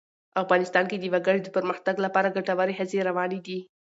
افغانستان کې د وګړي د پرمختګ لپاره ګټورې هڅې روانې دي.